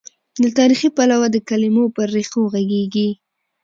له تاریخي، پلوه د کلمو پر ریښو غږېږي.